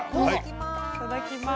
いただきます。